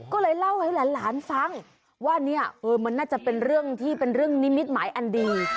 ก็เลยเล่าให้หลานฟังว่าเนี่ยมันน่าจะเป็นเรื่องที่เป็นเรื่องนิมิตหมายอันดี